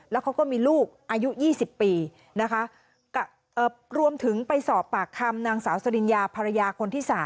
แล้วเขาก็มีลูกอายุ๒๐ปีนะคะรวมถึงไปสอบปากคำนางสาวสริญญาภรรยาคนที่๓